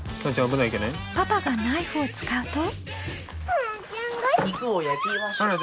パパがナイフを使うと。